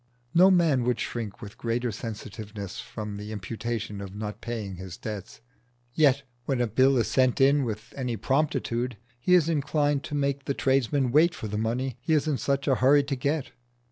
No man would shrink with greater sensitiveness from the imputation of not paying his debts, yet when a bill is sent in with any promptitude he is inclined to make the tradesman wait for the money he is in such a hurry to get.